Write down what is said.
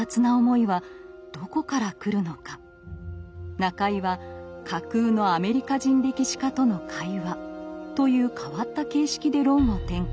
中井は架空のアメリカ人歴史家との会話という変わった形式で論を展開。